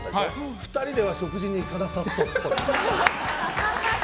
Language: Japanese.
２人で食事には行かなそう。